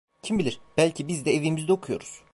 Kim bilir, belki biz de evimizde okuyoruz…